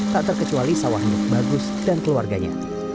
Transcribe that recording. tak terkecuali sawahnya bagus dan keluarganya